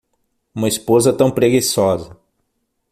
Uma esposa tão preguiçosa